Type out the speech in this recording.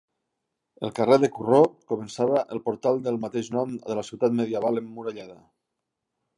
El carrer de Corró començava el portal del mateix nom de la ciutat medieval emmurallada.